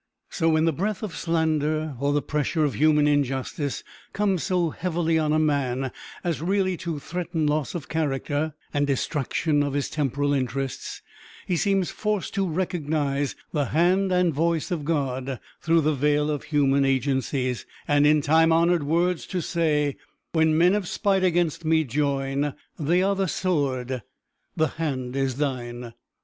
So when the breath of slander, or the pressure of human injustice, comes so heavily on a man as really to threaten loss of character, and destruction of his temporal interests, he seems forced to recognize the hand and voice of God, through the veil of human agencies, and in time honored words to say: "When men of spite against me join, They are the sword; the hand is thine."